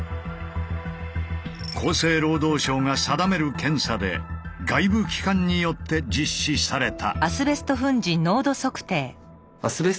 厚生労働省が定める検査で外部機関によって実施された。